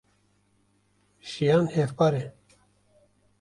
jiyan hevpar e.